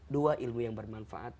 dua ilmu yang bermanfaat